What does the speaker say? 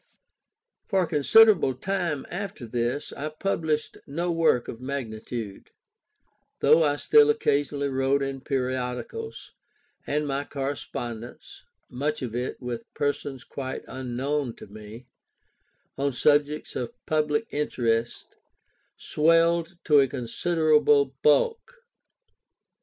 For a considerable time after this, I published no work of magnitude; though I still occasionally wrote in periodicals, and my correspondence (much of it with persons quite unknown to me), on subjects of public interest, swelled to a considerable bulk.